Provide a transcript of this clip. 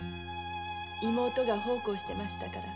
妹が奉公していましたから。